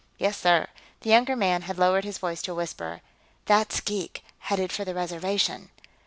"Yes, sir." The younger man had lowered his voice to a whisper. "That's geek, headed for the Reservation."